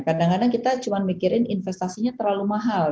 karena kita cuma mikirin investasinya terlalu mahal